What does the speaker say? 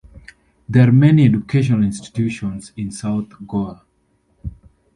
There are many educational institutions in South Goa.